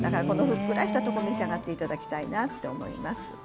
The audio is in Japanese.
このふっくらしてるところを召し上がっていただきたいなと思います。